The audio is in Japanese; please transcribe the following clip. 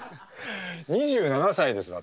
２７歳です私。